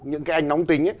những cái anh nóng tính